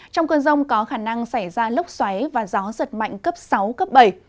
trong cơn rông có khả năng xảy ra lốc xoáy và gió giật mạnh cấp sáu cấp bảy